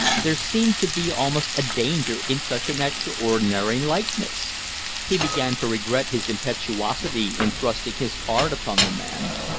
There seemed to be almost a danger in such an extraordinary likeness. He began to regret his impetuosity in thrusting his card upon the man.